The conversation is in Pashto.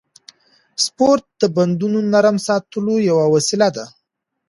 سپورت د بندونو نرم ساتلو یوه وسیله ده.